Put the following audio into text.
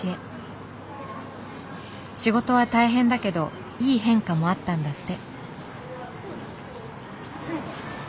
仕事は大変だけどいい変化もあったんだって。